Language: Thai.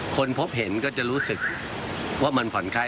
คนพบเห็นก็จะรู้สึกว่ามันผ่อนคลาย